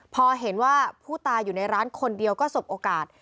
พอเห็นว่าผู้ตายอยู่ในร้านคนเดียวก็สบโอกาส